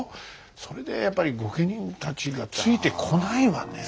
それでやっぱり御家人たちがついてこないわね。